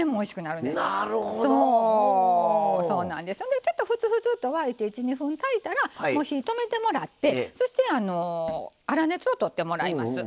ちょっとふつふつと沸いて１２分炊いたら火止めてもらってそして粗熱をとってもらいます。